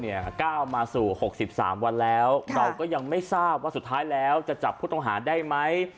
ก้าวมาสู่๖๓วันแล้วเราก็ยังไม่ทราบว่าสุดท้ายแล้วจะจับผู้ต้องหาได้ไหม